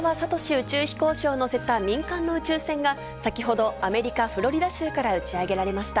宇宙飛行士を乗せた民間の宇宙船が先ほど、アメリカ・フロリダ州から打ち上げられました。